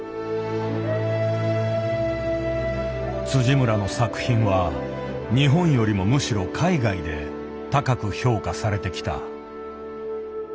村の作品は日本よりもむしろ海外で高く評価されてきた。